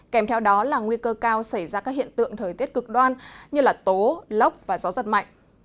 kèm theo đó là nguy cơ cao xảy ra các hiện tượng thời tiết cực đoan như tố lốc và gió giật mạnh